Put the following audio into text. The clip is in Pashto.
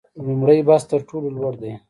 لومړی بست تر ټولو لوړ دی